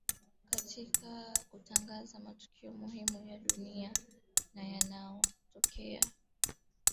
katika kutangaza matukio muhimu ya dunia na yanayotokea kanda ya